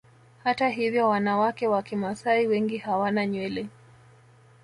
Hata hivyo wanawake wa Kimasai wengi hawana nywele